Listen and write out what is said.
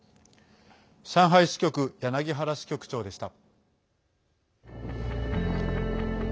上海市局、柳原支局長でした。